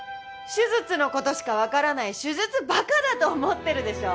手術の事しかわからない手術バカだと思ってるでしょ？